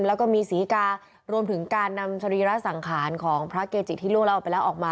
แล้วก็มีศรีการวมถึงการนำสรีระสังขารของพระเกจิที่ล่วงแล้วออกไปแล้วออกมา